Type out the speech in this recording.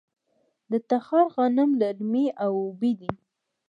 د تخار غنم للمي او ابي وي.